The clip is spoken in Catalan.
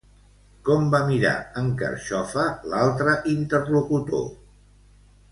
Com va mirar en Carxofa l'altre interlocutor?